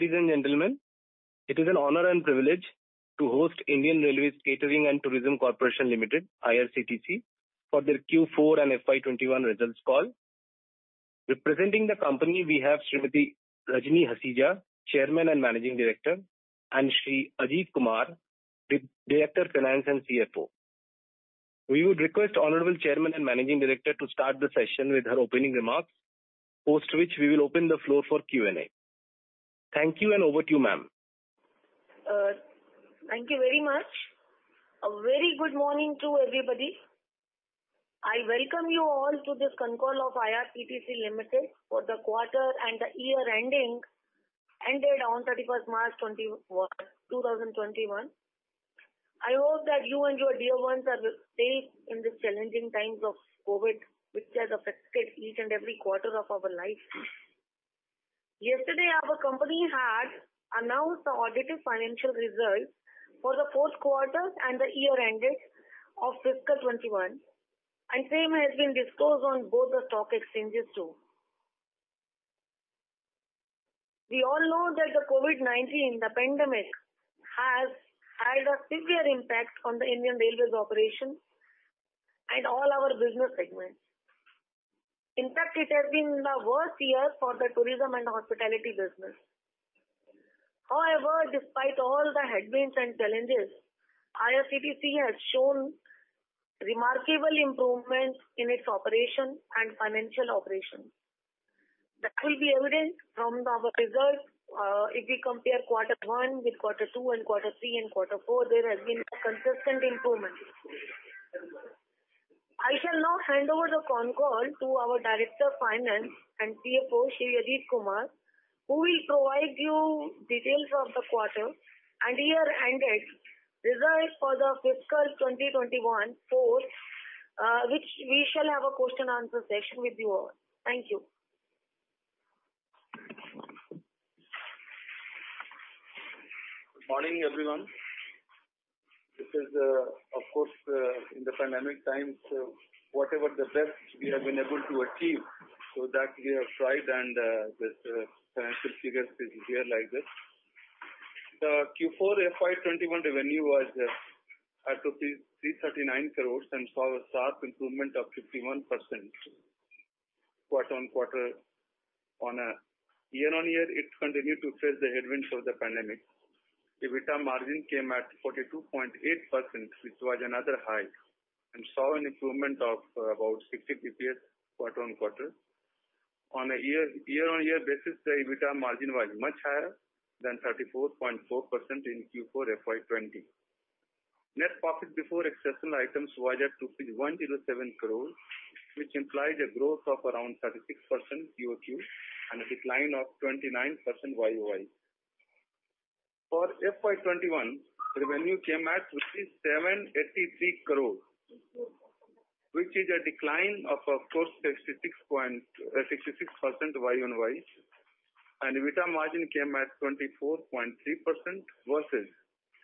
Ladies and gentlemen, it is an honor and privilege to host Indian Railway Catering and Tourism Corporation Limited, IRCTC, for their Q4 and FY 2021 results call. Representing the company, we have Rajni Hasija, Chairman and Managing Director, and Ajit Kumar, Director Finance and CFO. We would request Honorable Chairman and Managing Director to start the session with her opening remarks, post which we will open the floor for Q&A. Thank you and over to you, ma'am. Thank you very much. A very good morning to everybody. I welcome you all to this concall of IRCTC Limited for the quarter and the year ending ended on 31st March 2021. I hope that you and your dear ones are safe in this challenging times of COVID-19, which has affected each and every sphere of our life. Yesterday, our company had announced the audited financial results for the fourth quarter and the year endings of fiscal 2021, and same has been disclosed on both the stock exchanges too. We all know that the COVID-19, the pandemic, has had a severe impact on the Indian Railways operation and all our business segments. In fact, it has been the worst year for the tourism and hospitality business. Despite all the headwinds and challenges, IRCTC has shown remarkable improvement in its operation and financial operation. That will be evident from our results. If we compare quarter one with quarter two and quarter three and quarter four, there has been consistent improvement. I shall now hand over the concall to our Director Finance and CFO, Ajit Kumar, who will provide you details of the quarter and year-ending results for the fiscal 2021 fourth, which we shall have a question and answer session with you all. Thank you. Good morning, everyone. This is, of course, in the pandemic times, whatever the best we have been able to achieve, so that we have tried and this financial figures is here like this. The Q4 FY 2021 revenue was at rupees 339 crore and saw a sharp improvement of 51% quarter-on-quarter. On a year-on-year, it continued to face the headwinds of the pandemic. EBITDA margin came at 42.8%, which was another high and saw an improvement of about 60 basis points quarter-on-quarter. On a year-on-year basis, the EBITDA margin was much higher than 34.4% in Q4 FY 2020. Net profit before exceptional items was at 107 crore, which implies a growth of around 36% QoQ and a decline of 29% YoY. For FY 2021, revenue came at 783 crore, which is a decline of course, 66% YoY and EBITDA margin came at 24.3% versus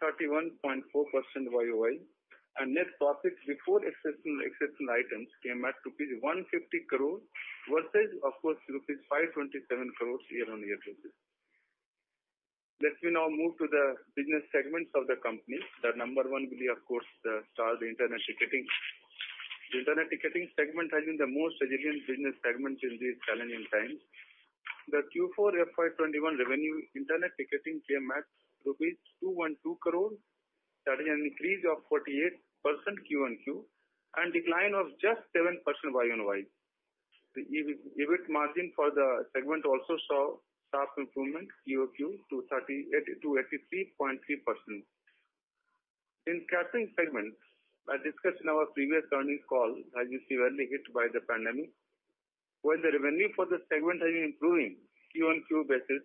31.4% YoY. Net profit before exceptional items came at rupees 150 crore versus, of course, rupees 527 crore year-on-year basis. Let me now move to the business segments of the company. The number one will be, of course, the Internet Ticketing. Internet Ticketing segment has been the most resilient business segment in these challenging times. The Q4 FY 2021 revenue Internet Ticketing came at rupees 212 crore, that is an increase of 48% Q-on-Q and decline of just 7% YoY. The EBIT margin for the segment also saw sharp improvement QoQ to 82.3%. In catering segment, I discussed in our previous earnings call, has been severely hit by the pandemic. While the revenue for the segment has been improving Q-on-Q basis,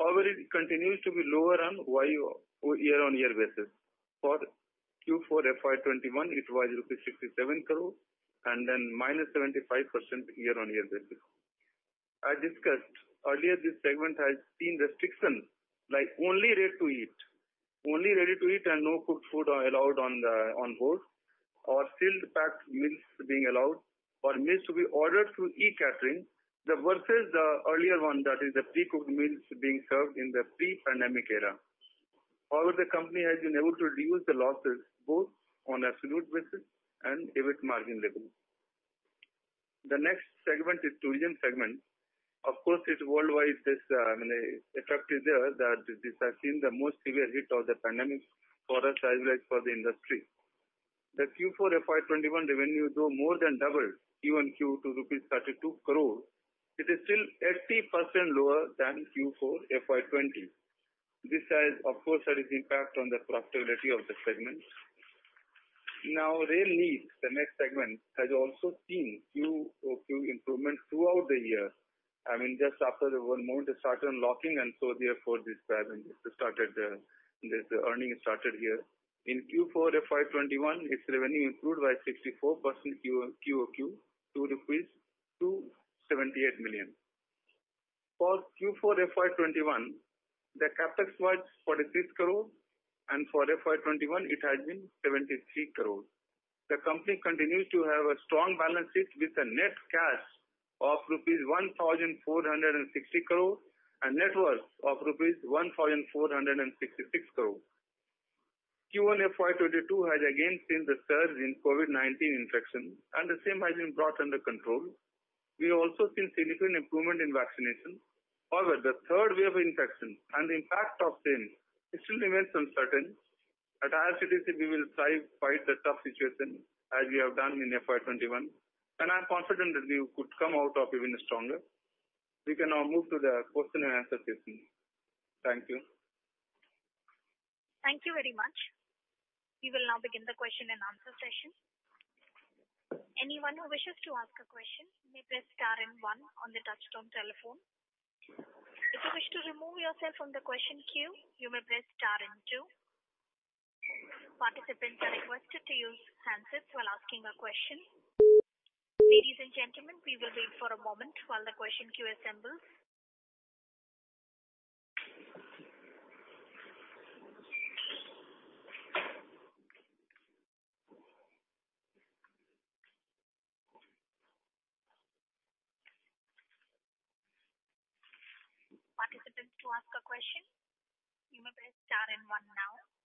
however, it continues to be lower on year-on-year basis. For Q4 FY 2021, it was rupees 67 crore and then -75% year-on-year basis. I discussed earlier, this segment has seen restrictions like only ready-to-eat. Only ready-to-eat and no cooked food are allowed on board or sealed packed meals being allowed or meals to be ordered through e-catering. Versus the earlier one, that is the pre-cooked meals being served in the pre-pandemic era. However, the company has been able to reduce the losses both on absolute basis and EBIT margin level. The next segment is tourism segment. Of course, it is worldwide, this effect is there that this has seen the most severe hit of the pandemic for us as well as for the industry. The Q4 FY 2021 revenue, though more than doubled Q-on-Q to rupees 32 crore, it is still 80% lower than Q4 FY 2020. This has, of course, had its impact on the profitability of the segment. Now, Rail Neer, the next segment, has also seen QoQ improvement throughout the year. I mean, just after the lockdown started lifting, therefore this earning started here. In Q4 FY 2021, its revenue improved by 64% QoQ to rupees 278 million. For Q4 FY 2021, the Capex was 46 crore. For FY 2021, it has been 73 crores. The company continues to have a strong balance sheet with a net cash of rupees 1,460 crores and net worth of rupees 1,466 crores. During FY 2022, has again seen the surge in COVID-19 infection, the same has been brought under control. We have also seen significant improvement in vaccination. However, the third wave infection and the impact of same, it still remains uncertain. At IRCTC, we will strive by the tough situation as we have done in FY 2021, I'm confident that we could come out of even stronger. We can now move to the question and answer session. Thank you. Thank you very much. We will now begin the question and answer session. Anyone who wishes to ask a question may press star and one on the touchtone telephone. If you wish to remove yourself from the question queue, you may press star and two. Participants are requested to use handsets while asking a question. Ladies and gentlemen, we will wait for a moment while the question queue assembles. Participants, to ask a question, you may press star and one now.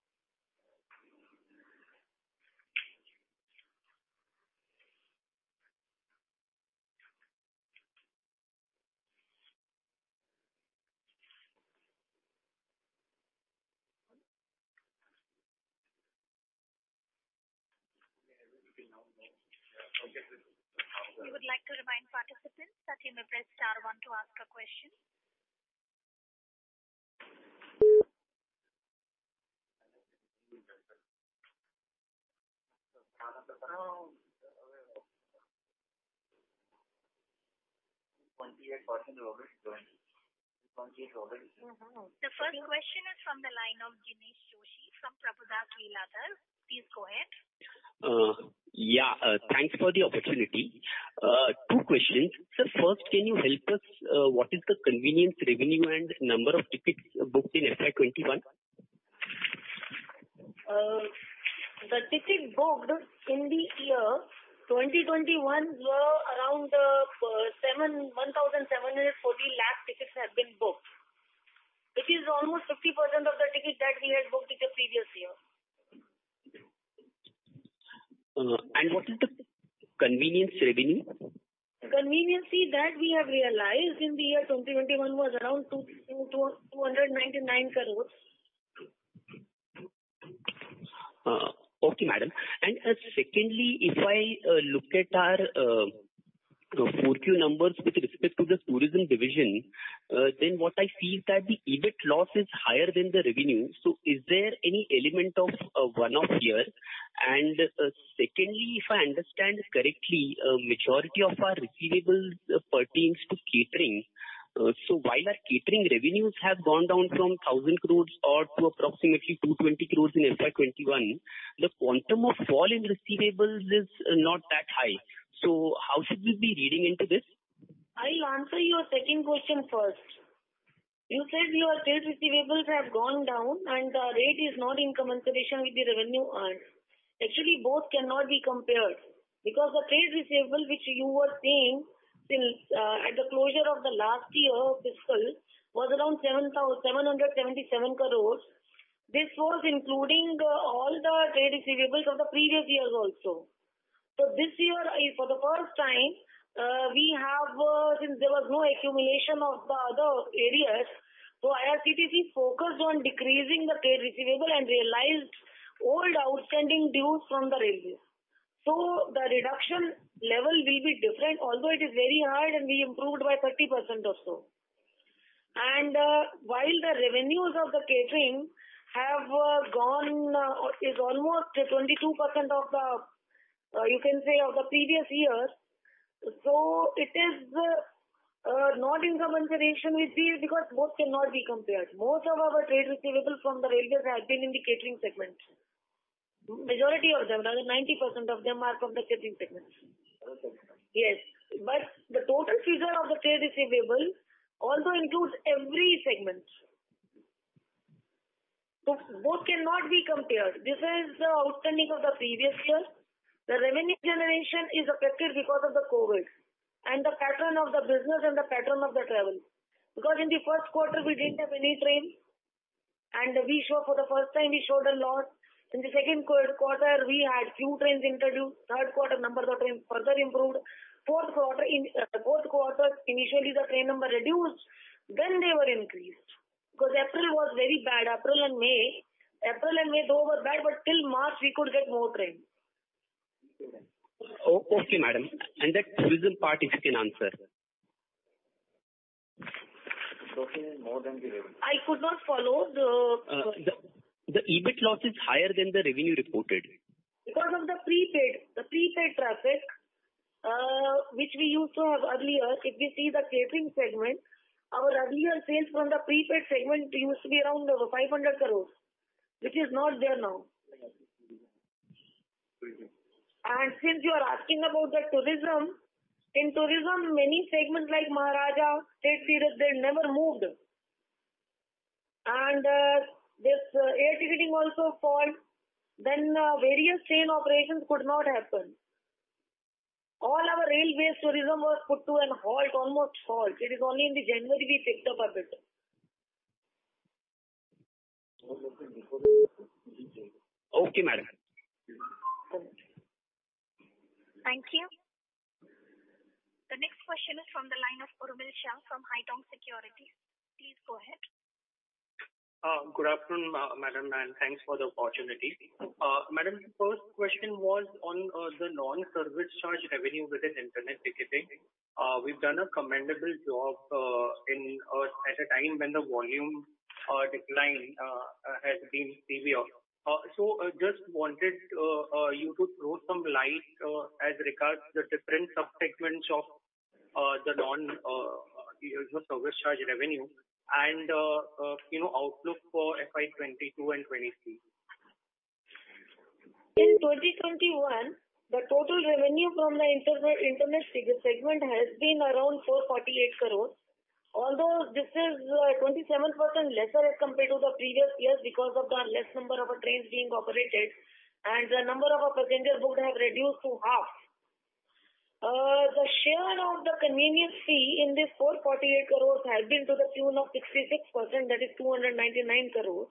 Everything is normal. We would like to remind participants that you may press star one to ask a question. 28% already joined. The first question is from the line of Jinesh Joshi from Prabhudas Lilladher. Please go ahead. Yeah. Thanks for the opportunity. Two questions. First, can you help us, what is the convenience revenue and number of tickets booked in FY 2021? The ticket booked in the year 2021 were around 1,740 lakh tickets have been booked, which is almost 50% of the tickets that we had booked in the previous year. What is the convenience revenue? Convenience fee that we have realized in the year 2021 was around 299 crores. Okay, madam. Secondly, if I look at our Q4 numbers with respect to this tourism division, what I see is that the EBIT loss is higher than the revenue. Is there any element of one-off year? Secondly, if I understand correctly, majority of our receivables pertains to catering. While our catering revenues have gone down from 1,000 crores to approximately 220 crores in FY 2021, the quantum of fall in receivables is not that high. How should we be reading into this? I'll answer your second question first. You said your trade receivables have gone down and our rate is not in commensuration with the revenue earned. Actually, both cannot be compared because the trade receivable, which you were seeing at the closure of the last year fiscal, was around 777 crore. This was including all the trade receivables of the previous year also. This year, for the first time, since there was no accumulation of the other areas, IRCTC focused on decreasing the trade receivable and realized old outstanding dues from the railways. The reduction level will be different, although it is very high and we improved by 30% or so. While the revenues of the catering is almost 22%, you can say, of the previous year. It is not in commensuration with these because both cannot be compared. Most of our trade receivables from the railways have been in the catering segment. Majority of them, 90% of them are from the catering segment. Okay. Yes. The total figure of the trade receivable also includes every segment. Both cannot be compared. This is the outstanding of the previous year. The revenue generation is affected because of the COVID and the pattern of the business and the pattern of the travel. In the first quarter, we didn't have any train, and for the first time, we showed a loss. In the second quarter, we had few trains introduced. Third quarter, number of trains further improved. Fourth quarter, initially, the train number reduced, then they were increased. April was very bad. April and May. April and May were bad, but till March, we could get more trains. Okay, madam. The tourism part, if you can answer? Tourism is more than the revenue. I could not follow. The EBIT loss is higher than the revenue reported. Because of the prepaid traffic, which we used to have every year. If you see the catering segment, our annual sales from the prepaid segment used to be around 500 crores. Which is not there now. Since you're asking about the tourism, in tourism, many segments like Maharajas' Express, they never moved. This ATD also fell, various train operations could not happen. All our railway tourism was put to a halt, almost halt. It is only in the January we picked up a bit. Okay, madam. Thank you. The next question is from the line of Urmil Shah from Haitong Securities. Please go ahead. Good afternoon, madam, and thanks for the opportunity. Madam, first question was on the non-service charge revenue with the Internet Ticketing. We've done a commendable job at a time when the volume decline has been severe. I just wanted you to throw some light as regards to the different sub-segments of the non-service charge revenue and outlook for FY 2022 and FY 2023. In 2021, the total revenue from the Internet Ticketing segment has been around 448 crores. Although this is 27% lesser as compared to the previous year because of the less number of trains being operated and the number of passengers booked has reduced to half. The share of the convenience fee in this 448 crores has been to the tune of 66%, that is 299 crores.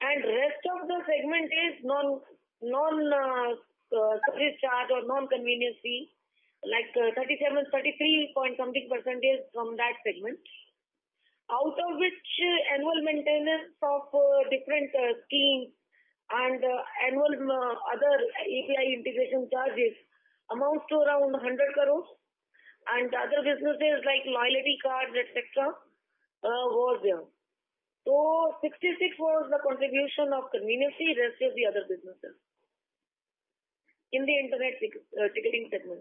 Rest of the segment is non-service charge or non-convenience fee, like 37%, 33 point something percentage from that segment. Out of which, annual maintenance of different schemes and annual other API integration charges amounts to around 100 crores. Other businesses like loyalty cards, et cetera, were there. 66% was the contribution of convenience fee, rest is the other businesses in the Internet Ticketing segment.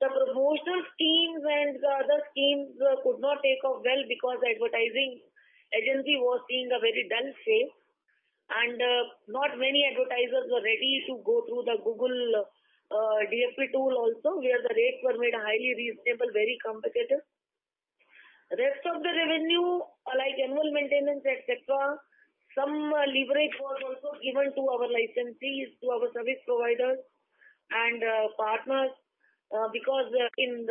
The promotional schemes and the other schemes could not take off well because the advertising agency was seeing a very dense phase, and not many advertisers were ready to go through the Google DSP tool also, where the rates were made highly reasonable, very competitive. Rest of the revenue, like annual maintenance, et cetera, some leverage was also given to our licensees, to our service providers and partners, because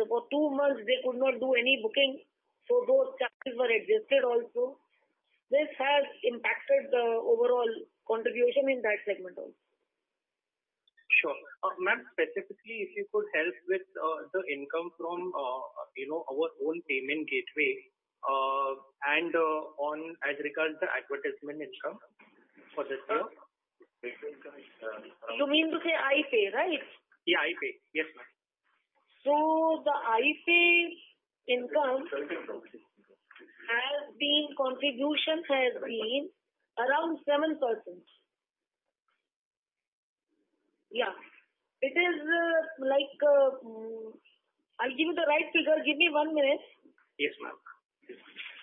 for two months they could not do any booking, so those charges were adjusted also. This has impacted the overall contribution in that segment also. Sure. Ma'am, specifically if you could help with the income from our own payment gateway and on as regards the advertisement income for this year? You mean to say iPAY, right? Yeah, iPAY. Yes, ma'am. The iPAY income contribution has been around 7%. Yeah. I'll give you the right figure. Give me one minute. Yes, ma'am.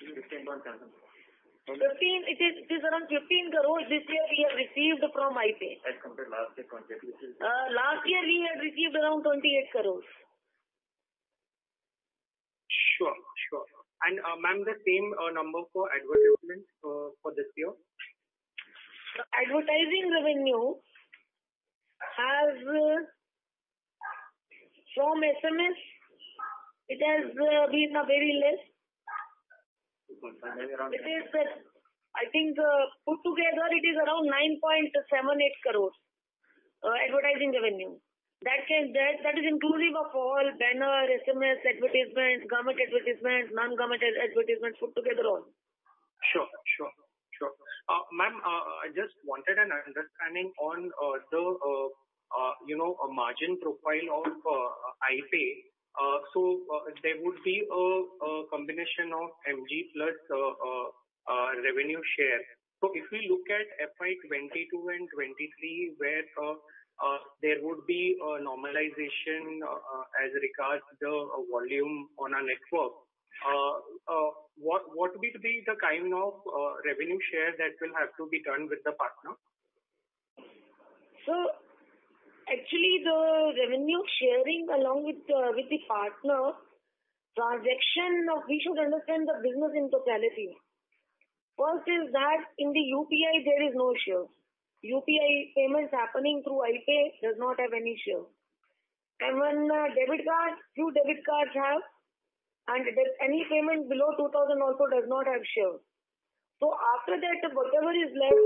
It is around 15 crores this year we have received from iPAY. As compared to last year, what it is? Last year we had received around 28 crores. Sure. Ma'am, the same number for advertisement for this year? Advertising revenue from SMS, it has been very less. I think put together it is around 9.78 crores, advertising revenue. That is inclusive of all banner SMS advertisements, government advertisements, non-government advertisements, put together all. Sure. Ma'am, I just wanted an understanding on the margin profile of iPAY. There would be a combination of MG plus revenue share. If we look at FY 2022 and 2023 where there would be a normalization as regards the volume on a network, what would be the kind of revenue share that will have to be done with the partner? Actually, the revenue sharing along with the partner transaction, we should understand the business in totality. First is that in the UPI there is no share. UPI payments happening through iPAY does not have any share. When debit cards, few debit cards have, and any payment below 2,000 crores also does not have share. After that, whatever is left,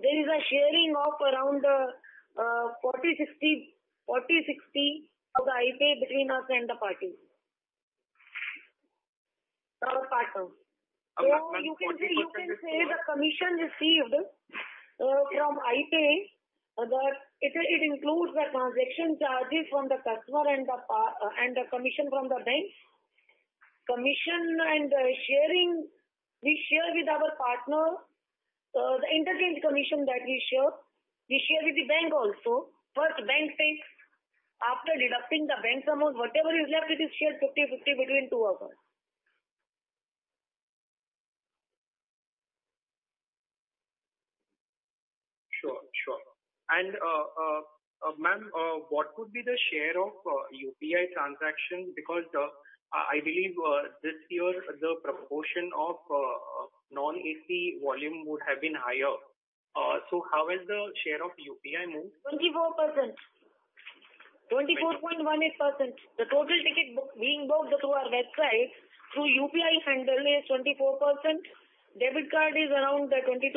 there is a sharing of around 40/60 of iPAY between us and the partner. You can say the commission receivable from iPAY, it includes the transaction charges from the customer and the commission from the banks. Commission and sharing, we share with our partner the interchange commission that we share. We share with the bank also. First the bank takes, after deducting the bank amount, whatever is left, we share 50/50 between two of us. Sure. ma'am, what would be the share of UPI transaction? I believe this year the proportion of non-AC volume would have been higher. How is the share of UPI, ma'am? 24.18%. The total ticket being booked through our website through UPI handle is 24%, debit card is around 22%.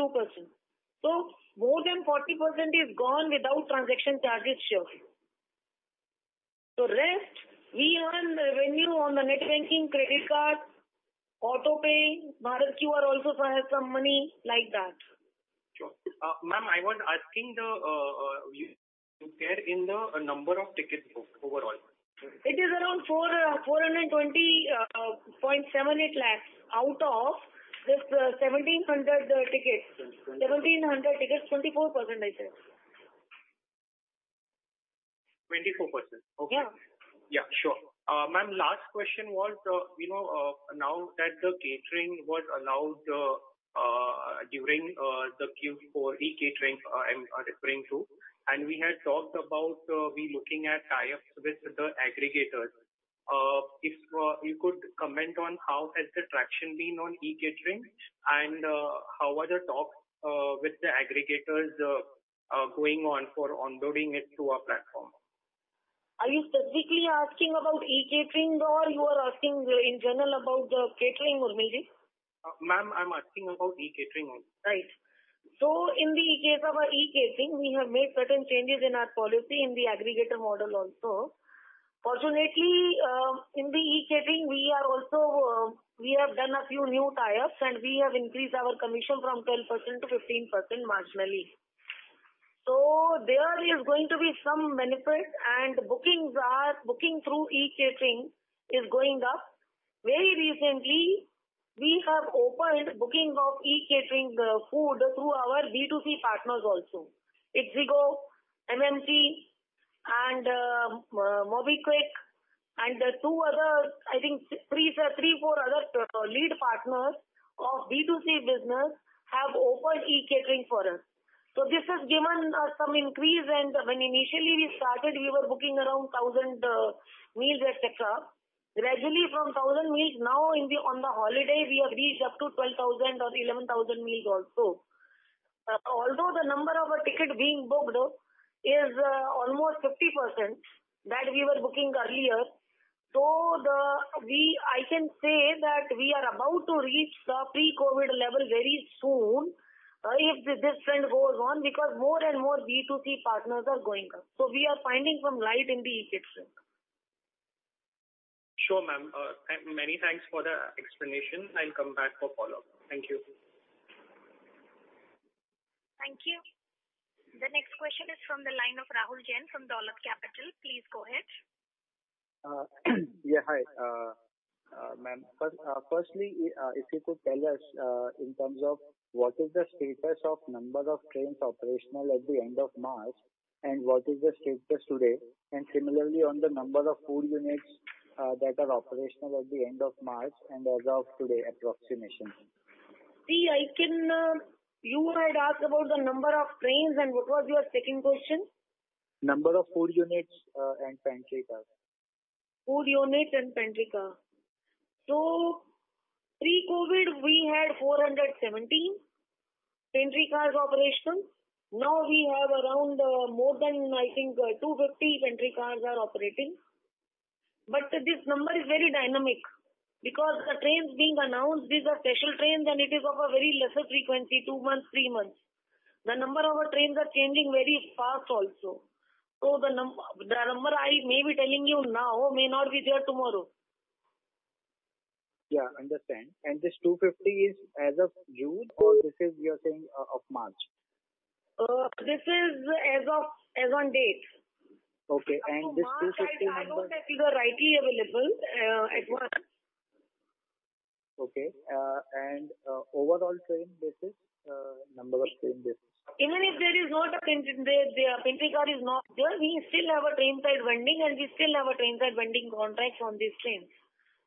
More than 40% is gone without transaction charges share. Rest, we earn revenue on the net banking credit card, iPAY, Bharat QR also for some money like that. Sure. Ma'am, I was asking the share in the number of tickets booked overall. It is around 420.78 lakhs out of this 1,700 tickets, 24% is this. 24%? Yeah. Yeah, sure. Ma'am, last question was, now that the catering was allowed during the Q4 e-catering, I am referring to, and we had talked about we looking at tie-ups with the aggregators. If you could comment on how has the traction been on e-catering, and how are the talks with the aggregators going on for onboarding it to our platform? Are you specifically asking about e-catering, or you are asking in general about the catering or maybe? Ma'am, I'm asking about e-catering only. Right. In the case of our e-catering, we have made certain changes in our policy, in the aggregator model also. Fortunately, in the e-catering we have done a few new tie-ups, and we have increased our commission from 10% to 15% marginally. There is going to be some benefit, and booking through e-catering is going up. Very recently, we have opened booking of e-catering food through our B2C partners also. ixigo, MMT, and MobiKwik, and three, four other lead partners of B2C business have opened e-catering for us. This has given some increase and when initially we started, we were booking around 1,000 meals, et cetera. Gradually from 1,000 meals, now on the holiday we have reached up to 12,000 or 11,000 meals also. Although the number of our ticket being booked is almost 50% that we were booking earlier. I can say that we are about to reach the pre-COVID level very soon, if this trend goes on, because more and more B2C partners are going up. We are finding some light in the e-catering. Sure, ma'am. Many thanks for the explanation. I'll come back for follow-up. Thank you. Thank you. The next question is from the line of Rahul Jain from Dolat Capital. Please go ahead. Yeah, hi. Ma'am, firstly, if you could tell us in terms of what is the status of number of trains operational at the end of March, and what is the status today, and similarly on the number of food units that are operational at the end of March and as of today approximation? You had asked about the number of trains and what was your second question? Number of food units and pantry cars. Food units and pantry car. Pre-COVID, we had 417 pantry cars operational. Now we have around more than, I think, 250 pantry cars are operating. This number is very dynamic because the trains being announced, these are special trains and it is of a very lesser frequency, two months, three months. The number of trains are changing very fast also. The number I may be telling you now may not be there tomorrow. Yeah, understand. This 250 is as of June or this is you are saying of March? This is as on date. Okay. This 250 number. Of March category available at one. Okay. Overall train basis, number of train basis. Even if there is not a pantry car is not there, we still have a train side vending and we still have a train side vending contract on these trains.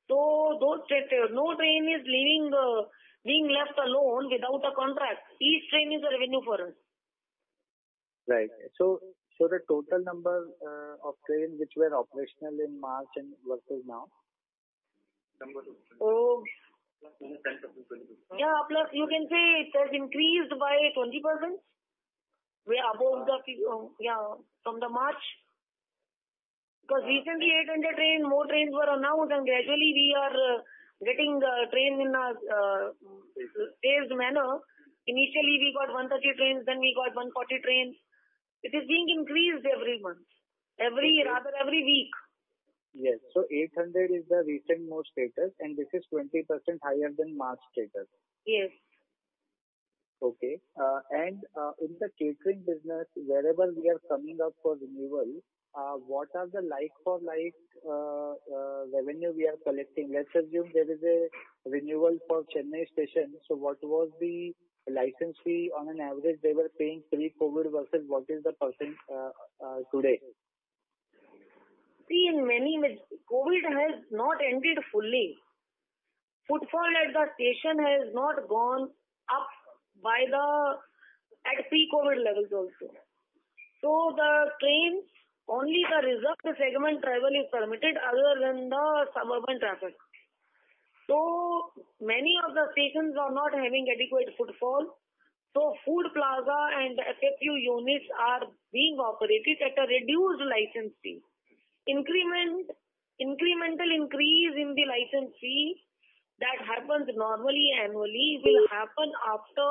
Don't [threathen]. No train is being left alone without a contract. Each train is a revenue for us. Right. The total number of trains which were operational in March versus now? Number of trains. Yeah, plus you can say it has increased by 20% from the March. Recently 800 train, more trains were announced and gradually we are getting train in a phased manner. Initially we got 130 trains, then we got 140 trains. It is being increased every month, every week. Yes. 800 is the recent most status, and this is 20% higher than March status. Yes. Okay. In the catering business, wherever we are coming up for renewal, what are the like-for-like revenue we are collecting? Let's assume there is a renewal for Chennai station. What was the license fee on an average they were paying pre-COVID versus what is the percent today? COVID has not ended fully. Footfall at the station has not gone up at pre-COVID levels also. The trains, only the reserved segment travel is permitted other than the suburban traffic. Many of the stations are not having adequate footfall. Food Plaza and FFU units are being operated at a reduced license fee. Incremental increase in the license fee that happens normally annually will happen after,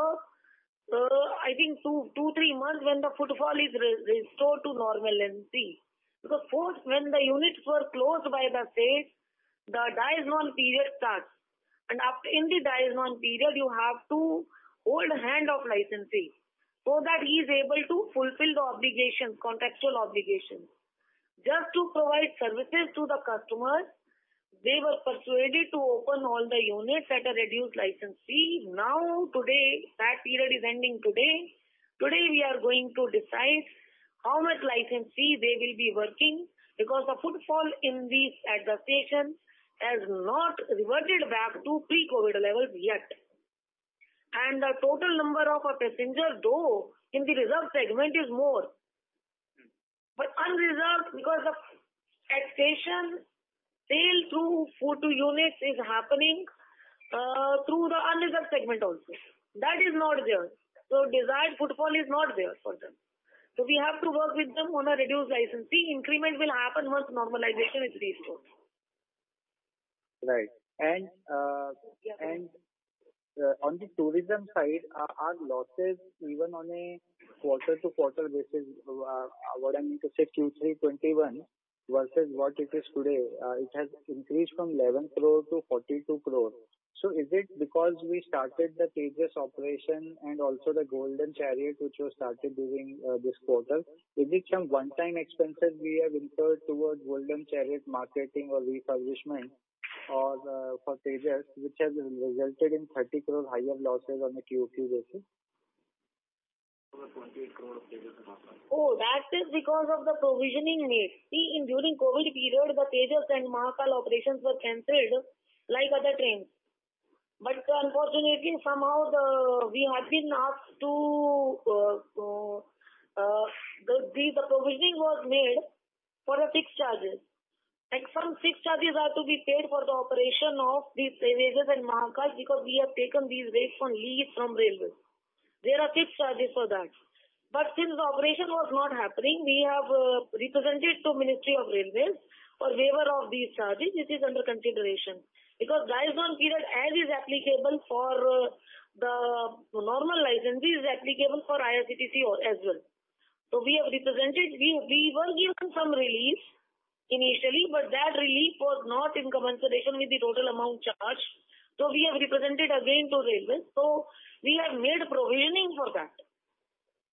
I think two, three months when the footfall is restored to normal [MC]. First, when the units were closed by the state, the dies non period start, and in the dies non period, you have to hold hand of licensee so that he is able to fulfill the contractual obligation. Just to provide services to the customers, they were persuaded to open all the units at a reduced license fee. That period is ending today. Today we are going to decide how much license fee they will be working because the footfall at the stations has not reverted back to pre-COVID levels yet. The total number of passengers, though in the reserved segment is more, but unreserved because at station sale to food units is happening through the unreserved segment also. That is not there. Desired footfall is not there for them. We have to work with them on a reduced license fee. Increment will happen once normalization is restored. Right. On the tourism side, our losses even on a quarter-over-quarter basis, what I mean to say Q3 2021 versus what it is today, it has increased from 11 crore to 42 crore. Is it because we started the Tejas operation and also the Golden Chariot, which was started during this quarter? Is it some one-time expenses we have incurred towards Golden Chariot marketing or refurbishment for Tejas, which has resulted in 30 crore higher losses on a QoQ basis? That is because of the provisioning made. See, during COVID-19 period, the Tejas and Mahakal operations were canceled like other trains. Unfortunately, the provisioning was made for the fixed charges. Some fixed charges are to be paid for the operation of these Tejas and Mahakal because we have taken these rails from Indian Railways. There are fixed charges for that. Since the operation was not happening, we have represented to Ministry of Railways for waiver of these charges, which is under consideration. Dies non period and is applicable for the normal licensee, is applicable for IRCTC as well. We have represented. We were given some relief initially, but that relief was not in compensation with the total amount charged. We have represented again to Indian Railways. We have made provisioning for that.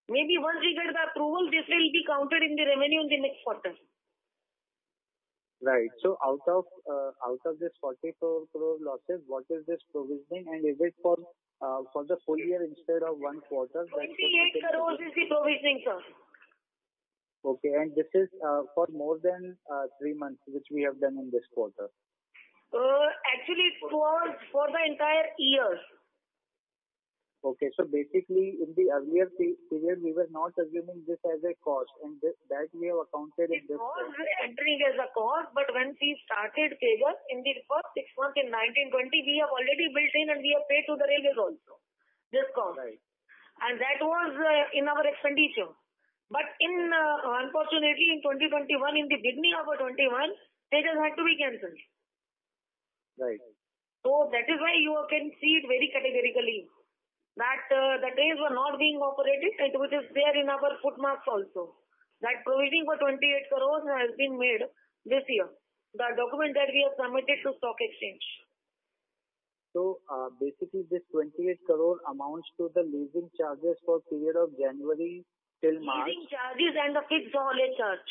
Maybe once we get the approval, this will be counted in the revenue in the next quarter. Right. Out of this 44 crore losses, what is this provisioning and is it for the full year instead of one quarter? INR 28 crore is the provisioning, sir. Okay. This is for more than three months, which we have done in this quarter. Actually, it's for the entire year. Okay. Basically, in the earlier period, we were not assuming this as a cost, and that we have accounted in this quarter. It was entering as a cost, but when we started Tejas in the first six months in 2019, 2020, we have already built in and we have paid to the railways also this cost. Right. That was in our expenditure. Unfortunately in 2021, in the beginning of 2021, Tejas had to be canceled. Right. That is why you can see very categorically that the trains were not being operated, and it was there in our footmarks also. That provisioning for 28 crore has been made this year. The document that we have submitted to stock exchange. Basically, this 28 crore amounts to the leasing charges for period of January till March. Leasing charges and the fixed all they charge.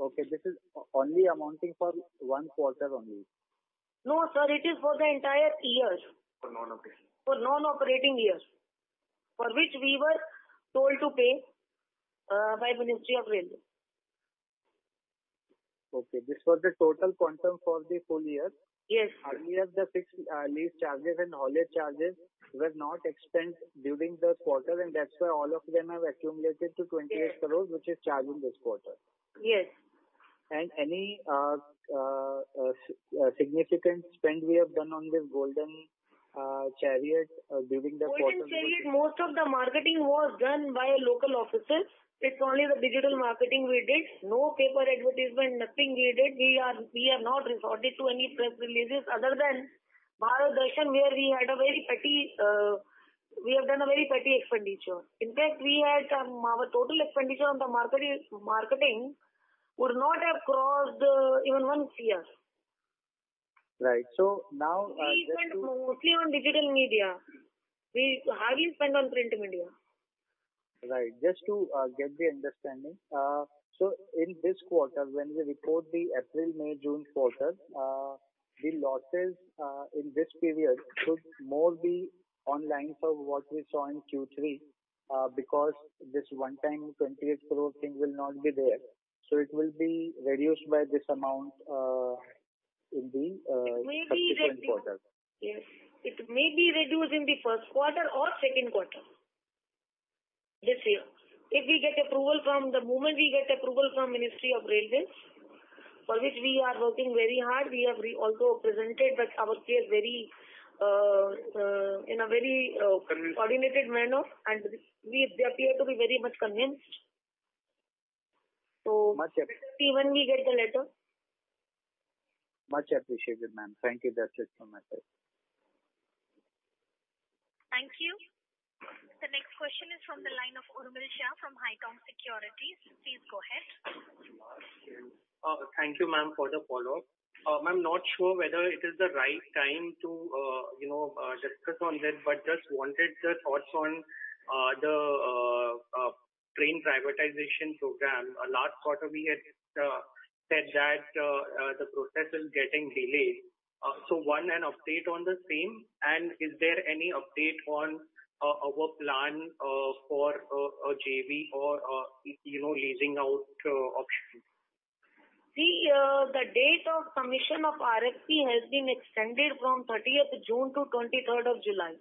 Okay, this is only amounting for one quarter only. No, sir, it is for the entire year. For non-operating. For non-operating years, for which we were told to pay by Ministry of Railways. Okay, this was the total quantum for the full year. Yes. Any of the fixed lease charges and all their charges were not expensed during the quarter. That's why all of them have accumulated to 28 crores, which is charged this quarter. Yes. Any significant spend we have done on this Golden Chariot during the quarter? Golden Chariot, most of the marketing was done by local offices. It is only the digital marketing we did. No paper advertisement, nothing we did. We have not resorted to any press releases other than Maha Darshan, where we have done a very petty expenditure. In fact, our total expenditure on the marketing would not have crossed even one year. Right. We spent mostly on digital media. We hardly spent on print media. Right. Just to get the understanding. In this quarter, when we report the April-May-June quarter, the losses in this period should more be on lines of what we saw in Q3. Because this one time, 28 crore thing will not be there. It will be reduced by this amount in the subsequent quarter. It may be reduced. Yes. It may be reduced in the first quarter or second quarter this year. The moment we get approval from Ministry of Railways, for which we are working very hard. We have also presented our case in a very coordinated manner, and they appear to be very much convinced. See when we get the letter. Much appreciated, ma'am. Thank you. That's it from my side. Thank you. The next question is from the line of Urmil Shah from Haitong Securities. Please go ahead. Thank you, ma'am, for the follow-up. I'm not sure whether it is the right time to discuss this, but just wanted your thoughts on the train privatization program. Last quarter, we had said that the process is getting delayed. One, an update on the same, and is there any update on our plan for a JV or leasing out options? See, the date of commission of RFP has been extended from 30th June to 23rd of July.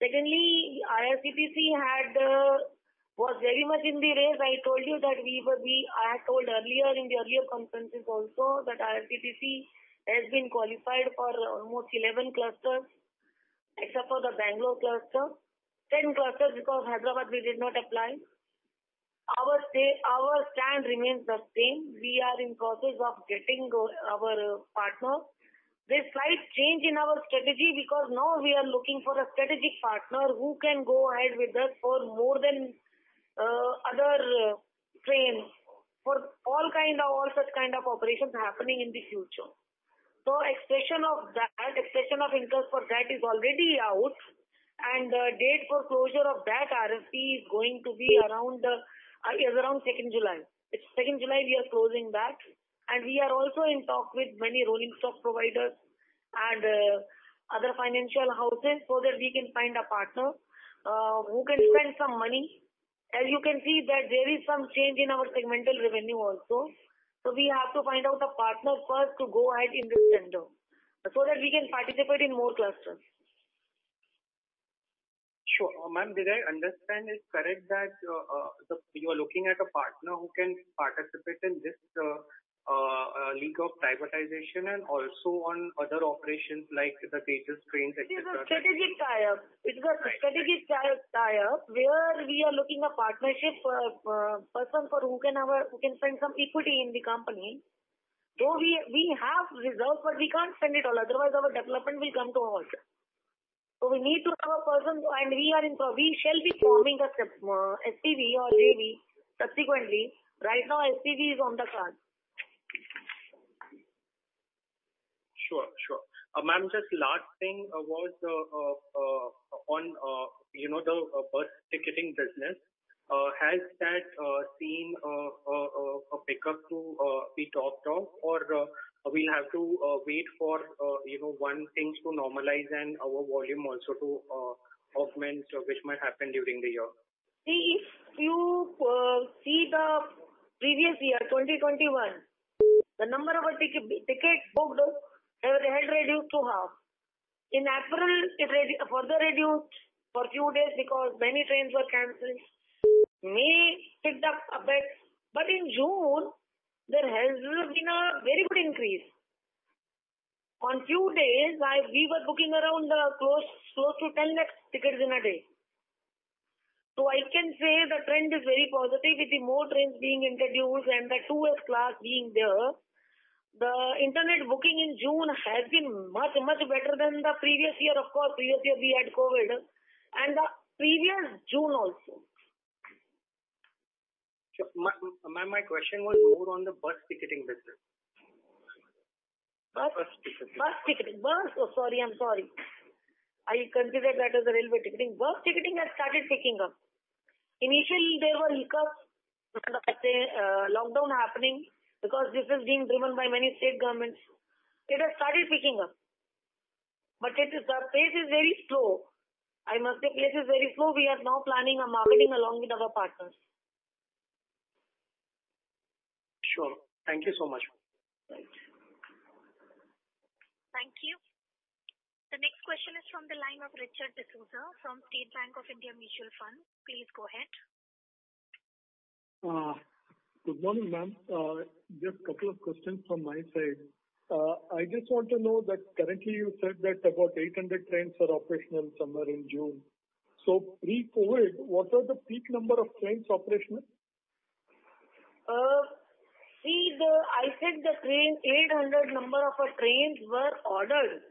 IRCTC was very much in the race. I had told earlier in the earlier conferences also that IRCTC has been qualified for almost 11 clusters except for the Bangalore cluster. 10 clusters because Hyderabad, we did not apply. Our stand remains the same. We are in the process of getting our partner. There's slight change in our strategy because now we are looking for a strategic partner who can go ahead with us for more than other trains, for all kinds of operations happening in the future. Expression of interest for that is already out, and the date for closure of that RFP is going to be around 2nd July. 2nd July, we are closing that, and we are also in talk with many rolling stock providers and other financial houses so that we can find a partner who can spend some money. As you can see that there is some change in our segmental revenue also. We have to find out a partner first to go ahead in this tender so that we can participate in more clusters. Sure. Ma'am, did I understand it correct that you are looking at a partner who can participate in this league of privatization and also on other operations like the Tejas trains, et cetera? It's a strategic tie-up where we are looking for a partnership person who can invest some equity in the company. Though we have reserves, but we can't spend it all, otherwise our development will come to a halt. We need to have a person, and we shall be forming an SPV or JV subsequently. Right now, SPV is on the plan. Sure. Ma'am, just last thing about the bus ticketing business. Has that seen a pickup to be topped up or we'll have to wait for things to normalize and our volume also to augment, which might happen during the year? If you see the previous year, 2021, the number of tickets booked has reduced to half. In April, it further reduced for a few days because many trains were canceled. May hit the effect. In June, there has been a very good increase. On few days, we were booking around close to 10,000 tickets in a day. I can say the trend is very positive with the more trains being introduced and the 2S class being there. The internet booking in June has been much, much better than the previous year. Of course, previous year we had COVID, and the previous June also. Ma'am, my question was more on the bus ticketing business. Bus? Bus ticketing. Bus ticketing. Oh, sorry. I considered that as a railway ticketing. Bus ticketing has started picking up. Initially, there was a hiccup with the lockdown happening because this is being given by many state governments. It has started picking up. The pace is very slow. I must say pace is very slow. We are now planning a marketing along with our partners. Sure. Thank you so much. Thank you. Thank you. The next question is from the line of Richard D'Souza from State Bank of India Mutual Fund. Please go ahead. Good morning, ma'am. Just a couple of questions from my side. I just want to know that currently you said that about 800 trains are operational somewhere in June. Pre-COVID, what were the peak number of trains operational? I said 800 number of trains were ordered,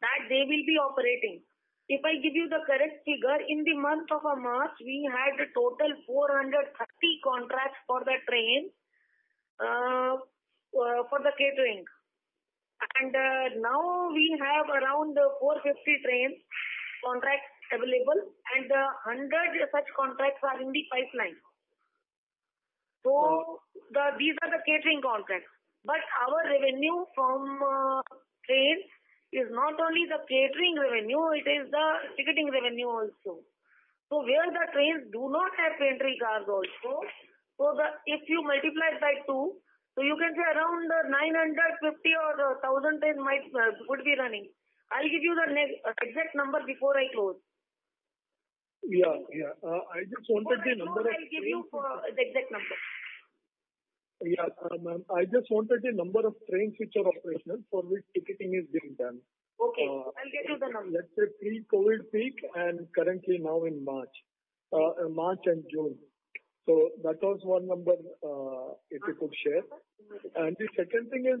that they will be operating. If I give you the correct figure, in the month of March, we had a total 430 contracts for the trains, for the catering. Now we have around 450 trains contracts available, and 100 such contracts are in the pipeline. These are the catering contracts. Our revenue from trains is not only the catering revenue, it is the ticketing revenue also. Where the trains do not have catering cars also. If you multiply it by two, you can say around 950 or 1,000 train miles would be running. I'll give you the exact number before I close. Yeah. I just wanted the- I will give you the exact number. Yeah. Ma'am, I just wanted the number of trains which are operational for which ticketing is being done. Okay. I'll get you the number. Let's say pre-COVID peak and currently now in March. March and June. That was one number, if you could share. The second thing is,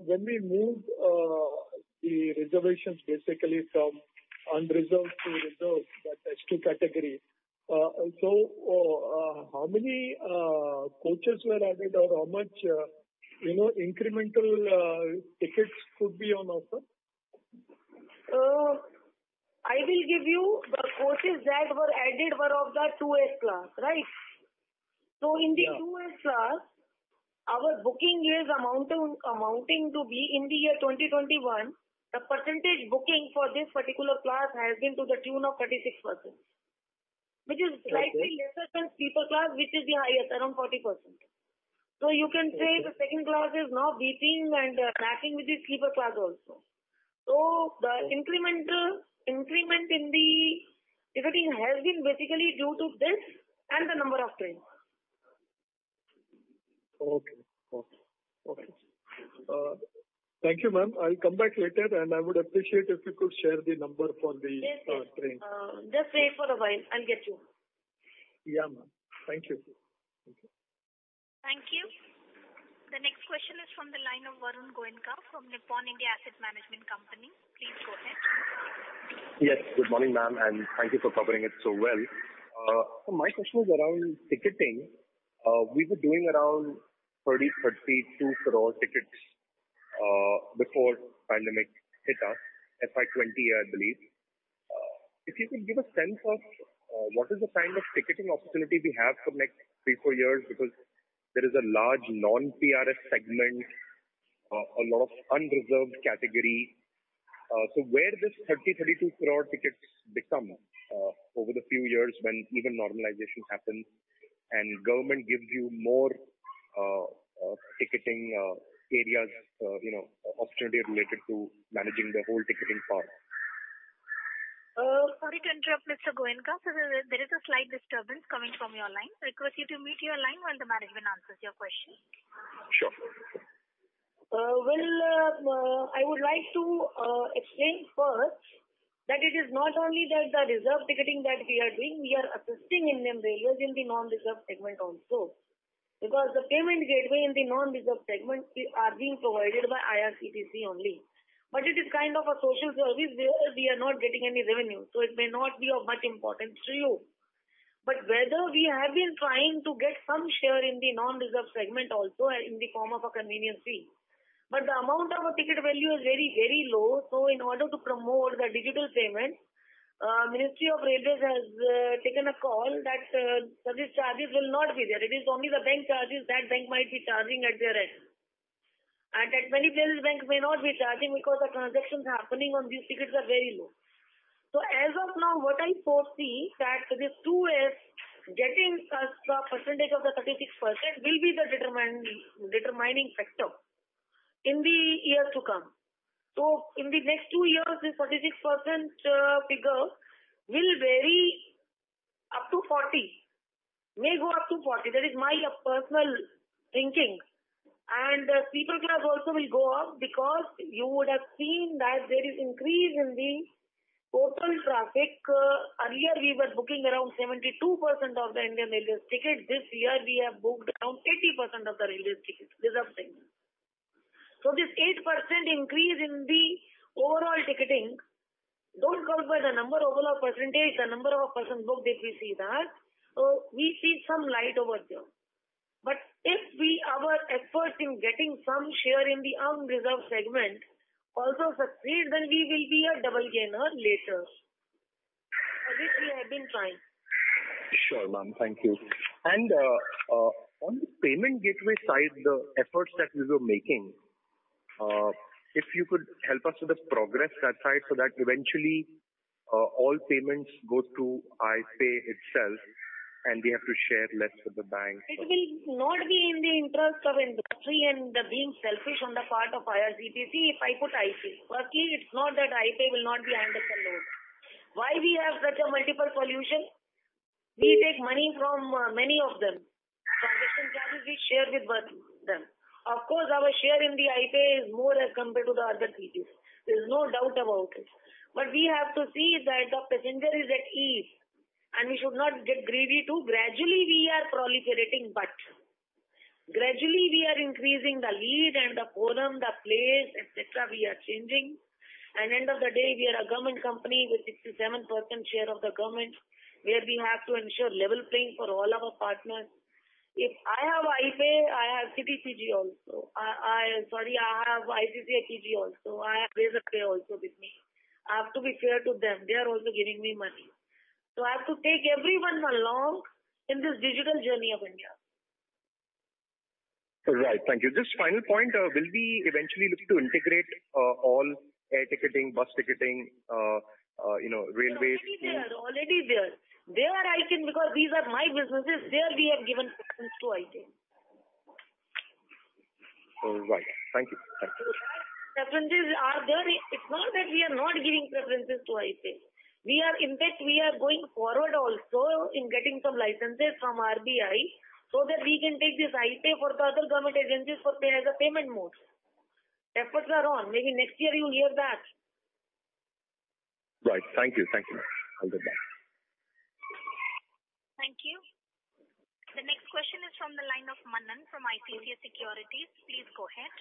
when we move the reservations basically from unreserved to reserved, that S2 category. How many coaches were added or how much incremental tickets could be on offer? I will give you the coaches that were added were of the 2S class, right? In the 2S class, our booking is amounting to be, in the year 2021, the percentage booking for this particular class has been to the tune of 36%, which is slightly lesser than sleeper class, which is higher, around 40%. You can say the second class is now beating and tracking with the sleeper class also. The increment in the ticketing has been basically due to this and the number of trains. Okay. Thank you, ma'am. I'll come back later, and I would appreciate if you could share the number for the train. Just wait for a while. I'll get you. Yeah, ma'am. Thank you. Thank you. The next question is from the line of Varun Goenka from Nippon India Asset Management Company. Please go ahead. Yes, good morning, ma'am, and thank you for covering it so well. My question was around ticketing. We were doing around 30 crore, 32 crore tickets, before pandemic hit us, FY 2020, I believe. If you could give a sense of what is the kind of ticketing opportunity we have for next three, four years, because there is a large non-PRS segment, a lot of unreserved category. Where does 30 crore, 32 crore tickets become over the few years when even normalization happens and government gives you more ticketing areas, opportunity related to managing the whole ticketing part. Sorry to interrupt, Mr. Goenka. There is a slight disturbance coming from your line. I request you to mute your line when the management answers your question. Sure. I would like to explain first that it is not only just the reserved ticketing that we are doing. We are assisting Indian Railways in the non-reserved segment also. The payment gateway in the non-reserved segment are being provided by IRCTC only. It is kind of a social service where we are not getting any revenue, so it may not be of much importance to you. Whether we have been trying to get some share in the non-reserved segment also in the form of a convenience fee. The amount of a ticket value is very low. In order to promote the digital payment, Ministry of Railways has taken a call that these charges will not be there. It is only the bank charges that bank might be charging at their end. At many banks may not be charging because the transactions happening on these tickets are very low. As of now, what I foresee that this 2S getting the percentage of the 36% will be the determining factor in the years to come. In the next two years, this 36% figure will vary up to 40%, may go up to 40%. That is my personal thinking. The sleeper class also will go up because you would have seen that there is increase in the total traffic. Earlier, we were booking around 72% of the Indian Railways ticket. This year, we have booked around 80% of the Railways tickets, reserved tickets. This 8% increase in the overall ticketing, don't go by the number. Overall percentage, the number of person booked, if we see that, we see some light over there. If our efforts in getting some share in the unreserved segment also succeed, then we will be a double gainer later. For which we have been trying. Sure, ma'am. Thank you. On the payment gateway side, the efforts that you were making, if you could help us with the progress that side, so that eventually all payments go to iPAY itself, and we have to share less with the banks. It will not be in the interest of industry and being selfish on the part of IRCTC if I put iPAY. Firstly, it's not that iPAY will not be handled by others. Why we have such a multiple solution? We take money from many of them. Transaction charges we share with them. Of course, our share in the iPAY is more as compared to the other GTs. There's no doubt about it. We have to see that the passenger is at ease, and we should not get greedy too. Gradually we are proliferating, but gradually we are increasing the lead and the column, the place, et cetera, we are changing. At the end of the day, we are a government company with 67% share of the government, where we have to ensure level playing for all of our partners. If I have iPAY, IRCTC is also. I have [YCC], IRCTC also. I have also with me. I have to be fair to them. They are also giving me money. I have to take everyone along in this digital journey of India. Right. Thank you. Just final point, will we eventually look to integrate all air ticketing, bus ticketing, railways? Air ticketing are already there. They are IT because these are my businesses. There we have given preference to IT. All right. Thank you. Preferences are there. It's not that we are not giving preferences to IT. In fact, we are going forward also in getting some licenses from RBI so that we can take this IT for other government agencies for pay as a payment mode. Efforts are on. Maybe next year you'll hear that. Right. Thank you. Thank you. The next question is from the line of Mannan from ICICI Securities. Please go ahead.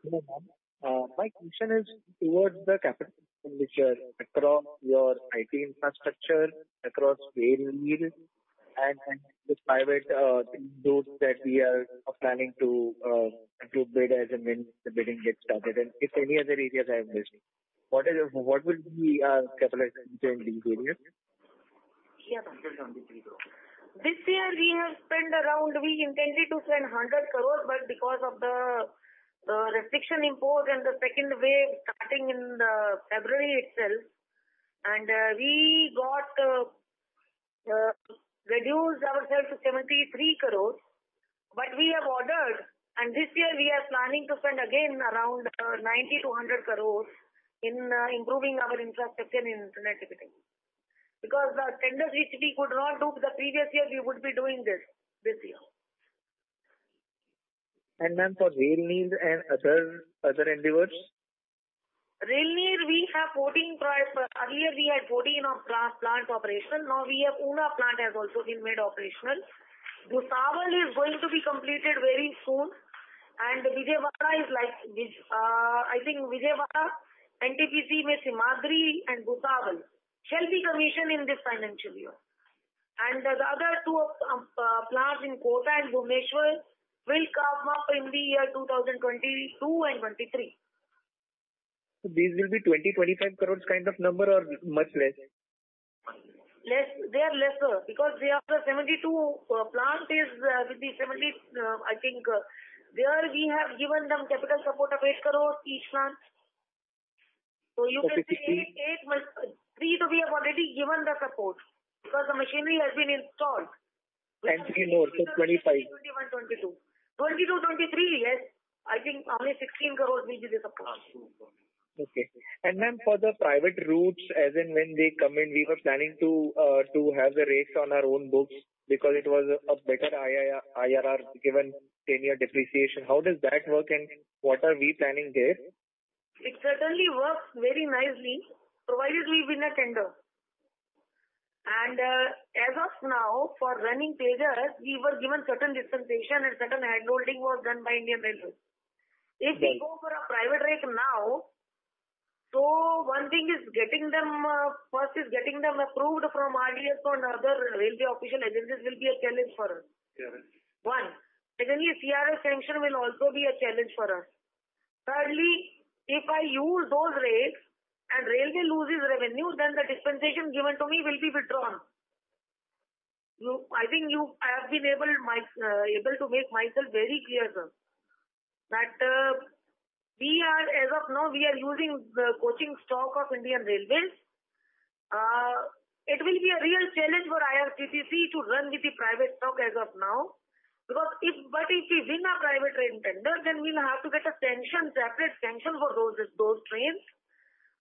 Hello, ma'am. My question is towards the capital expenditure across your IT infrastructure, across Rail Neer, and the private routes that we are planning to bid as and when the bidding gets started, if any other areas I have missed. What will be our capital expenditure in doing it? Yes, absolutely, sir. This year we have spent around, we intended to spend 100 crores, because of the restriction imposed and the second wave starting in February itself, we reduced ourselves to 73 crores. We have ordered, this year we are planning to spend again around 90 crores-100 crores in improving our infrastructure in Internet Ticketing. Because the tender IRCTC could not open the previous year, we would be doing this this year. Ma'am, for Rail Neer and other endeavors? Rail Neer, earlier we had 14 of plant operation. Now we have Una plant has also been made operational. Bhusawal is going to be completed very soon, and I think Vijayawada, NTPC Simhadri and Bhusawal shall be commissioned in this financial year. The other two plants in Kota and Bhubaneswar will come up in the year 2022 and 2023. These will be 20 crore-25 crore kind of number or much less? Less. They are lesser because we have the 72 plant is with the 70, I think, there we have given some capital support of 8 crore each plant. You can say 8 crore, but we have already given the support because the machinery has been installed. 8 crore more, so 25 crore. 2021, 2022. 2022, 2023, yes. I think around 16 crores we give as a support. Okay. Ma'am, for the private routes, as and when they come in, we were planning to have the rates on our own books because it was a better IRR given 10-year depreciation. How does that work and what are we planning there? It certainly works very nicely provided we win a tender. As of now, for running Tejas, we were given certain dispensation and certain handholding was done by Indian Railways. If we go for a private rate now, one thing is first is getting them approved from RDSO and other railway official agencies will be a challenge for us. One. Secondly, CRS sanction will also be a challenge for us. Thirdly, if I use those rails and Railway loses revenue, then the dispensation given to me will be withdrawn. I think I have been able to make myself very clear, sir, that as of now, we are using the coaching stock of Indian Railways. It will be a real challenge for IRCTC to run with the private stock as of now. If we win a private rail tender, then we may have to get a separate sanction for those trains,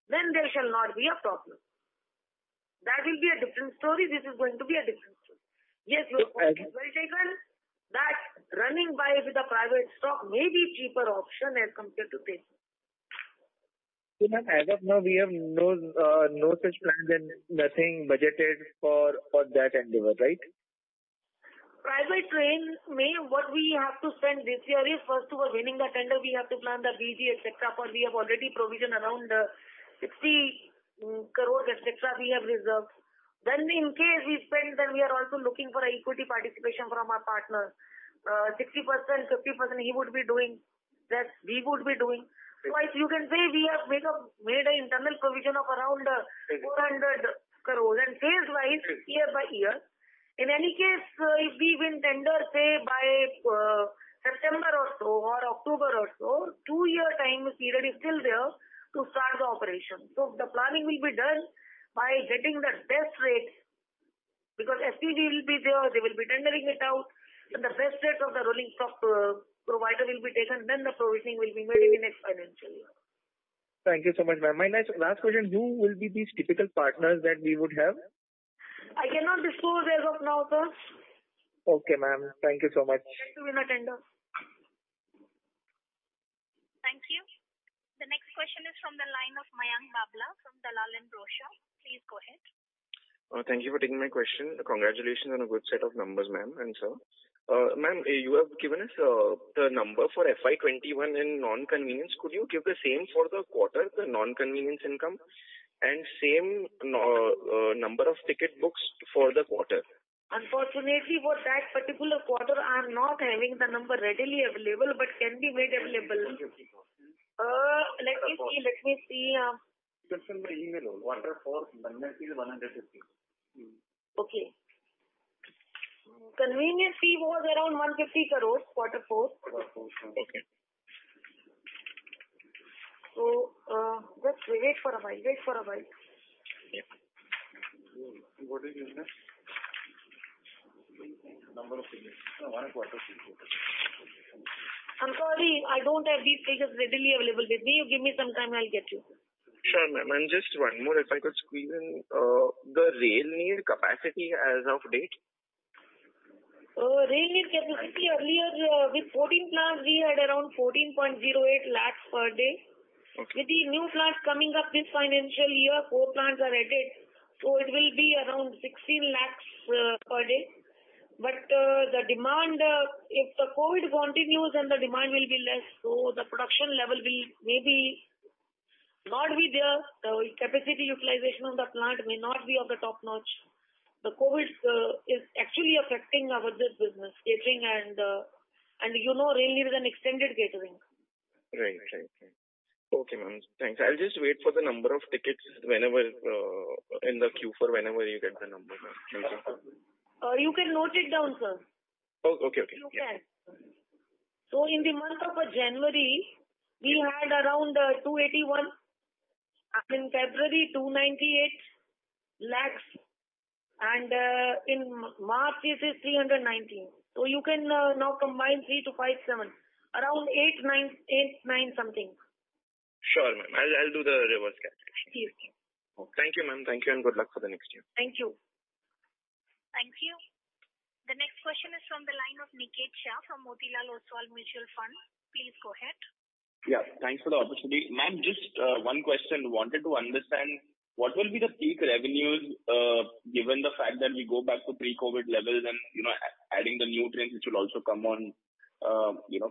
then there shall not be a problem. That will be a different story. This is going to be a different story. Yes, we have calculated that running by with a private stock may be a cheaper option as compared to this. Ma'am, as of now, we have no such plans and nothing budgeted for that endeavor, right? Private train, what we have to spend this year is first to winning a tender, we have to plan the BG etcetera. We have already provisioned around 60 crore etcetera we have reserved. In case we spend, then we are also looking for equity participation from our partner. 60%, 50% he would be doing. That we would be doing. If you can say, we have made an internal provision of around 100 crore, and pays rise year by year. In any case, if we win tender, say by September or so, or October or so, two-year time period is still there to start the operation. The planning will be done by getting the best rates, because [FCD] will be there, they will be tendering it out, and the best rates of the rolling stock provider will be taken, then the provisioning will be made in the next financial year. Thank you so much, ma'am. My last question, who will be these typical partners that we would have? I cannot disclose as of now, sir. Okay, ma'am. Thank you so much. It will be the tender. Thank you. The next question is from the line of Mayank Babla from Dalal & Broacha. Please go ahead. Thank you for taking my question. Congratulations on a good set of numbers, ma'am and sir. Ma'am, you have given us the number for FY 2021 in non-convenience. Could you give the same for the quarter, the non-convenience income? Same number of ticket books for the quarter. Unfortunately, for that particular quarter, I'm not having the number readily available, but can be made available. Let me see. Quarter four INR -150 crore. Okay. Convenience fee was around 150 crores, quarter four. Quarter four. Okay. Wait for a while. Yeah. What is this? Number of tickets. Quarter four. I'm sorry, I don't have these figures readily available with me. Give me some time, I'll get you. Sure, ma'am. Just one more, if I could squeeze in. The Rail Neer capacity as of date. Rail Neer capacity earlier with 14 plants, we had around 14.08 lakhs per day. With the new plants coming up this financial year, four plants are added, it will be around 16 lakhs per day. If the COVID continues, then the demand will be less. The production level may not be there. The capacity utilization of the plant may not be of the top-notch. The COVID is actually affecting this business, catering and Rail Neer is an extended catering. Right. Okay, ma'am. Thanks. I'll just wait for the number of tickets in the queue for whenever you get the number. You can note it down, sir. Okay. You can. In the month of January, we had around 281 lakhs. In February, 298 lakhs, and in March, it is 319 lakhs. You can now combine 3 to 57. Around 8, 9 something. Sure, ma'am. I'll do the reverse calculation. Please. Thank you, ma'am. Thank you, and good luck for the next year. Thank you. Thank you. The next question is from the line of Niket Shah from Motilal Oswal Mutual Fund. Please go ahead. Thanks for the opportunity. Ma'am, just one question. Wanted to understand what will be the peak revenues, given the fact that we go back to pre-COVID levels and adding the new trains which will also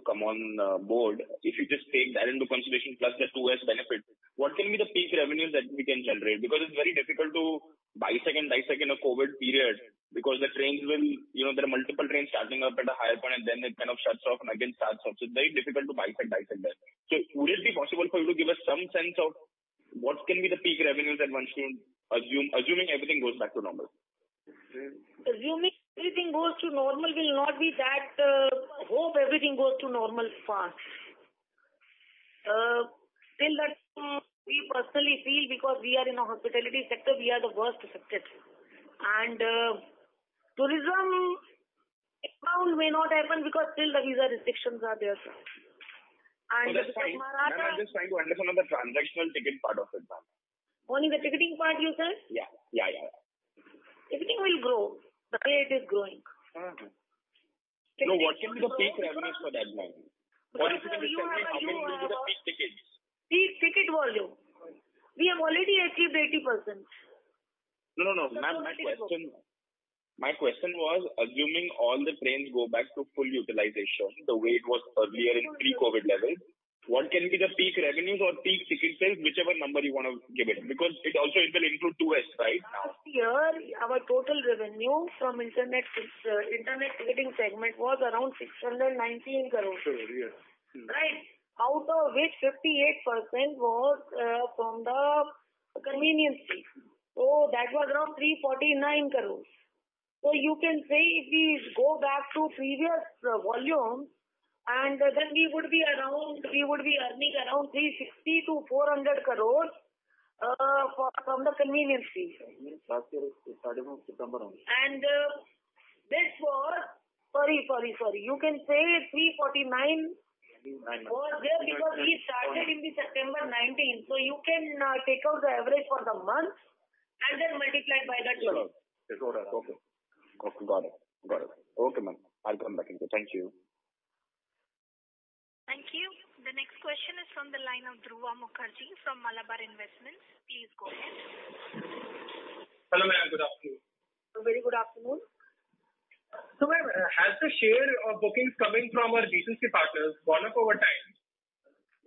come on board. If you just take that into consideration plus the 2S benefit, what can be the peak revenues that we can generate? It's very difficult to bisect, and dissect a COVID period because there are multiple trains charging up at a higher point, and then it kind of shuts off and again starts off. It's very difficult to byte and byte on that. Would it be possible for you to give us some sense of what can be the peak revenues that one should assume, assuming everything goes back to normal? Hope everything goes to normal fast. Still we personally feel because we are in a hospitality sector, we are the worst affected. Tourism may not happen because still these restrictions are there, sir. I understand. I want to understand from the transactional ticket part of the business. Only the ticketing part, you said? Yeah. Ticketing will grow. Today it is growing. What can be the peak revenues for that volume? What is the peak revenues assuming you got peak tickets? Peak ticket volume. We are already at peak 80%. No, ma'am, my question was, assuming all the trains go back to full utilization the way it was earlier in pre-COVID levels, what can be the peak revenues or peak ticket sales, whichever number you want to give it, because it also includes 2S, right? Last year, our total revenue from Internet Ticketing segment was around 619 crores. Sure. Yes. Right. Out of which 58% were from the convenience fee. That was around 349 crores. You can say if we go back to previous volume and then we would be earning around 360 crores to 400 crores from the convenience fee. Convenience last year was INR 349 crores. Sorry. You can say 349 crores was there because we started in September 2019. You can take out the average for the month and then multiply by that number. It's all right. Okay. Got it. Okay, ma'am. I'll come back to you. Thank you. Thank you. The next question is from the line of Dhruva Mukherjee from Malabar Investments. Please go ahead. Hello, ma'am, good afternoon. A very good afternoon. Ma'am, has the share of bookings coming from our B2C partners gone up over time?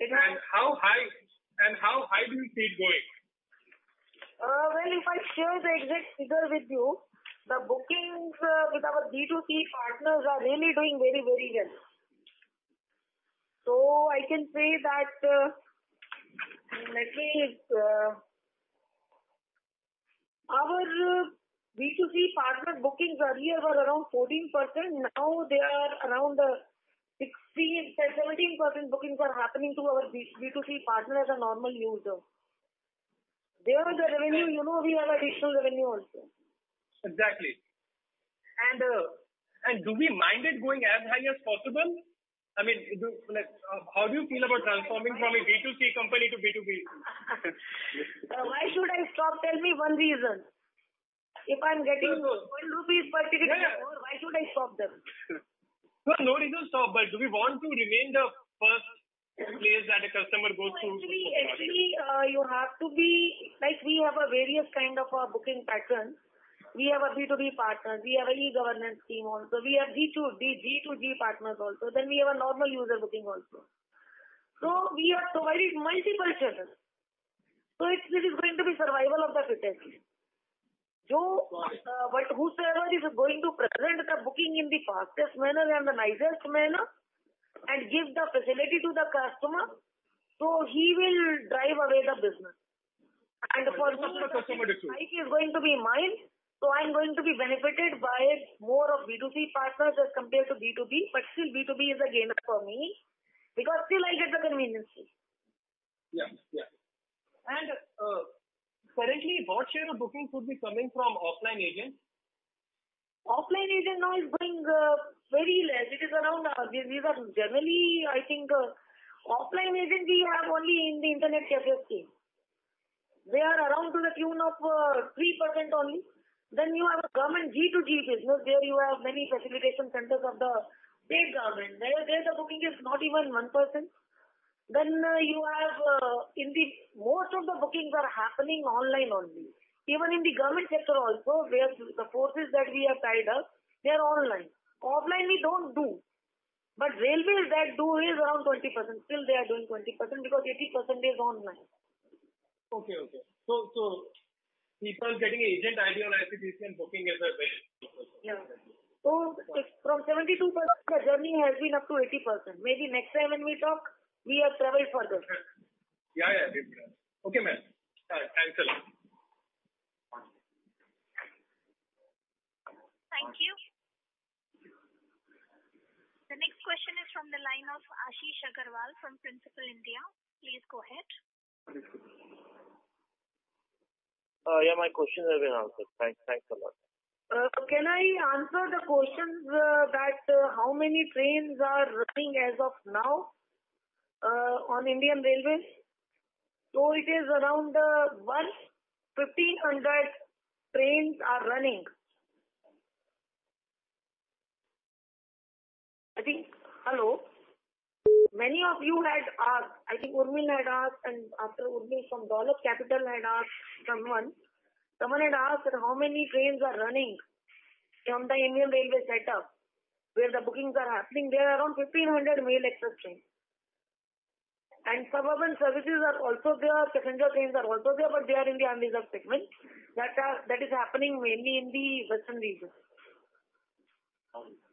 It has. How high do you see it going? If I share the exact figure with you, the bookings with our B2C partners are really doing very well. I can say that, let me see. Our B2C partner bookings earlier were around 14%. Now they are around 16%-17% bookings are happening to our B2C partner as a normal user. They have the revenue, you know we have additional revenue also. Exactly. Do we mind it going as high as possible? How do you feel about transforming from a B2C company to B2B? Why should I stop? Tell me one reason. If I'm getting those rupees, why should I stop them? No reason to stop. Do we want to remain the first place that a customer goes to? We have a various kind of booking pattern. We have B2B partners. We have a government team also. We have G2G partners also. We have normal user booking also. We are very multifaceted. It is going to be survival of the fittest. Whoever is going to present the booking in the fastest manner and the nicest manner and give the facility to the customer, so he will drive away the business. For me, the facility is going to be mine, so I'm going to be benefited by more of B2B partners as compared to B2C, but still B2B is a gainer for me because still I get the convenience fee. Yeah. Currently what share of booking should be coming from offline agents? Offline agent now is going very less. It is around. Because generally, I think offline agent we have only in the internet [schedule team]. They are around to the tune of 3% only. You have government G2G business. There you have many reservation centers of the big government. There the booking is not even 1%. Most of the bookings are happening online only. Even in the government sector also, the portals that we have tied up, they are online. Offline we don't do. Indian Railways that do is around 20%. Still they are doing 20% because 80% is online. Okay. People getting agent ID on IRCTC and booking as well. Yeah. From 72%, the journey has been up to 80%. Maybe next time when we talk, we have traveled further. Yeah. Okay, ma'am. Thanks a lot. Thank you. The next question is from the line of Ashish Agarwal from Principal India. Please go ahead. Yeah, my question has been answered. Thanks a lot. Can I answer the questions that how many trains are running as of now on Indian Railways? It is around 1,500 trains are running. Hello. Many of you had asked. I think Urmil had asked, and after Urmil from Dolat Capital had asked, someone. Someone had asked how many trains are running from the Indian Railways setup where the bookings are happening. There are 1,500 mail express trains. Suburban services are also there. Passenger trains are also there, but they are in the unreserved segment. That is happening mainly in the western region. Thank you.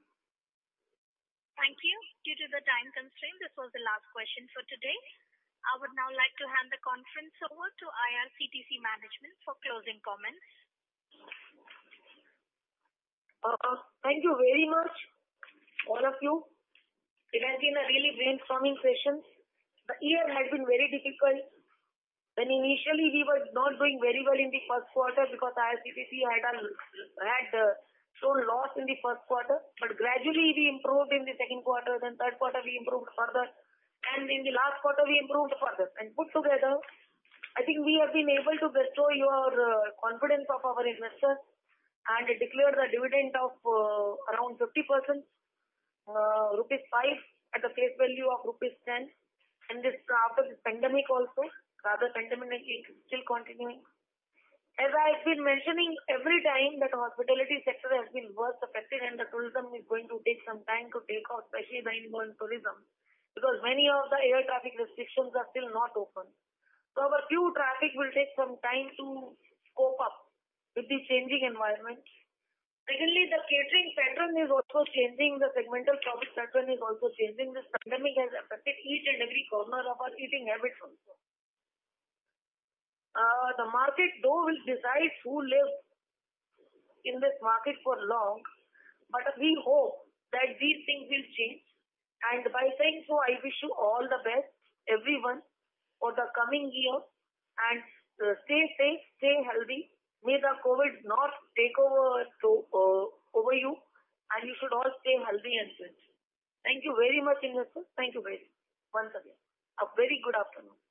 Due to the time constraint, this was the last question for today. I would now like to hand the conference over to IRCTC management for closing comments. Thank you very much, all of you. It has been a really brainstorming session. The year has been very difficult. Initially we were not doing very well in the first quarter because IRCTC had shown loss in the first quarter. Gradually we improved in the second quarter, then third quarter we improved further, and in the last quarter we improved the further. Put together, I think we have been able to restore your confidence of our investors and declare the dividend of around 50%, rupees 5 crore at a face value of rupees 10 crore in this pandemic also. Rather pandemic is still continuing. As I've been mentioning every time that our hospitality sector has been worst affected and the tourism is going to take some time to take off, especially the inbound tourism, because many of the air traffic restrictions are still not open. Our queue traffic will take some time to scope up with the changing environment. Secondly, the catering pattern is also changing. The segmental choice pattern is also changing. This pandemic has affected each and every corner of our eating habits also. The market though will decide who live in this market for long, but we hope that these things will change. By saying so, I wish you all the best, everyone, for the coming year, and stay safe, stay healthy. May the COVID not take over you, and you should all stay healthy and safe. Thank you very much, investors. Thank you very much. Once again, a very good afternoon